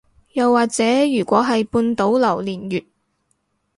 又或者如果係半島榴槤月